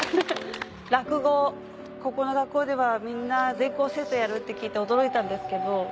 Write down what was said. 落語ここの学校ではみんな全校生徒やるって聞いて驚いたんですけど。